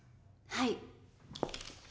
はい。